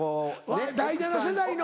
第７世代の。